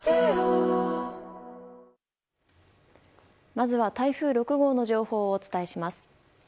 まずは台風６号の情報をお伝えします。